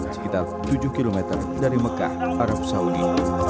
sekitar tujuh km dari mekah arab saudi